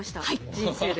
人生で。